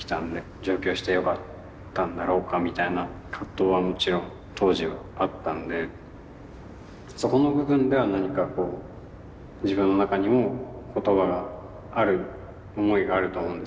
上京してよかったんだろうかみたいな葛藤はもちろん当時はあったんでそこの部分では何かこう自分の中にも言葉がある思いがあると思うんですけど。